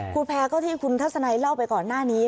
คุณแพร่ก็ที่คุณทัศนัยเล่าไปก่อนหน้านี้